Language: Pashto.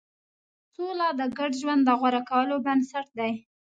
سوله د ګډ ژوند د غوره کولو بنسټ دی.